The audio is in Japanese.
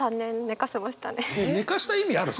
寝かした意味ある？